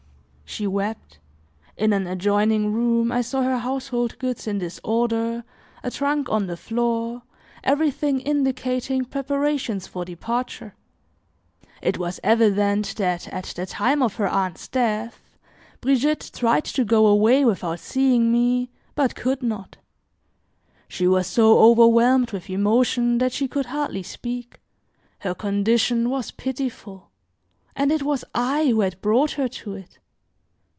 She wept; in an adjoining room, I saw her household goods in disorder, a trunk on the floor, everything indicating preparations for departure. It was evident that, at the time of her aunt's death, Brigitte tried to go away without seeing me but could not. She was so overwhelmed with emotion that she could hardly speak, her condition was pitiful, and it was I who had brought her to it.